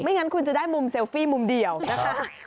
งั้นคุณจะได้มุมเซลฟี่มุมเดียวนะคะ